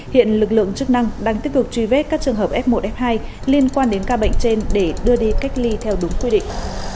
hiện lực lượng chức năng đang tích cực truy vết các trường hợp f một f hai liên quan đến ca bệnh trên để đưa đi cách ly theo đúng quy định